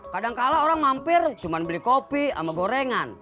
kadang kadang orang mampir cuma beli kopi sama gorengan